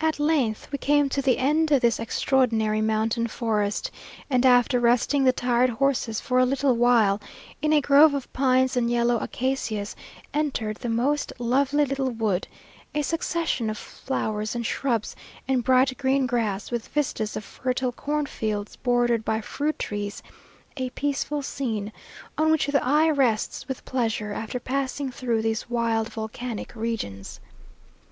At length we came to the end of this extraordinary mountain forest, and after resting the tired horses for a little while, in a grove of pines and yellow acacias, entered the most lovely little wood, a succession of flowers and shrubs, and bright green grass, with vistas of fertile cornfields bordered by fruit trees a peaceful scene, on which the eye rests with pleasure, after passing through these wild, volcanic regions.